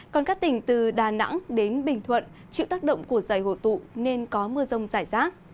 còn các tỉnh từ đà nẵng đến bình thuận chịu tác động của dày hồ tụ nên có mưa rông rải rác